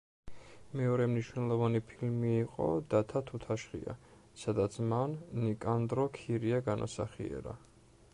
მეორე მნიშვნელოვანი ფილმი იყო დათა თუთაშხია, სადაც მან ნიკანდრო ქირია განასახიერა.